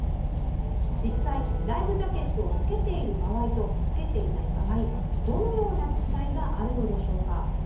実際に、ライフジャケットを着けている場合と着けていない場合どのような違いがあるのでしょうか。